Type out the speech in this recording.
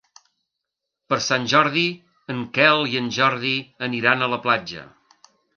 Per Sant Jordi en Quel i en Jordi aniran a la platja.